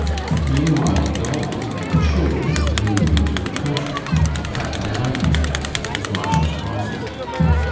Meanwhile Dolly and the children had moved into the country, to cut down expenses as much as possible.